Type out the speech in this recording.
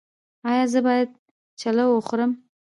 ایا زه باید چلو وخورم؟